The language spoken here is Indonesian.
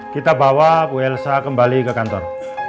kita bawa bu elsa kembali ke kantor